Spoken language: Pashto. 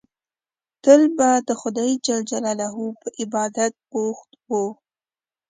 تل به د خدای جل جلاله په عبادت بوخت وو.